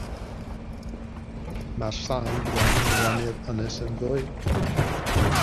Mae'r sain bron yn rhannu'r ynys yn ddwy.